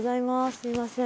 すいません。